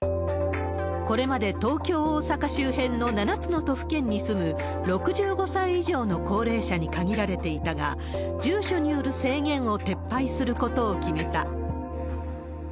これまで東京、大阪周辺の７つの都府県に住む６５歳以上の高齢者に限られていたが、住所による制限を撤廃することを決めた。